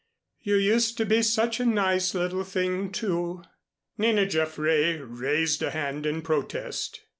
"You used to be such a nice little thing, too." Nina Jaffray raised a hand in protest.